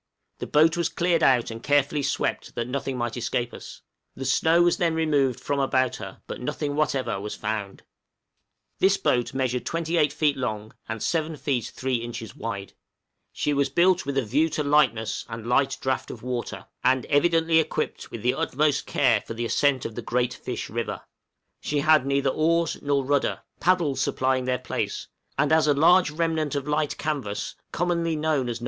The boat was cleared out and carefully swept that nothing might escape us. The snow was then removed from about her, but nothing whatever was found. {ARTICLES FOUND NEAR HER.} This boat measured 28 feet long, and 7 feet 3 inches wide; she was built with a view to lightness and light draught of water, and evidently equipped with the utmost care for the ascent of the Great Fish River; she had neither oars nor rudder, paddles supplying their place, and as a large remnant of light canvas, commonly known as No.